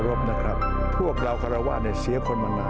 ด้วยความเคารพนะครับพวกเราฆราวะเนี่ยเสียคนมานานแล้ว